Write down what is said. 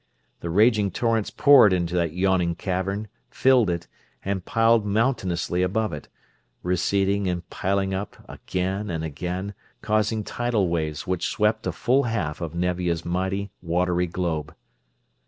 The raging torrents poured into that yawning cavern, filled it, and piled mountainously above it; receding and piling up, again and again, causing tidal waves which swept a full half of Nevia's mighty, watery globe.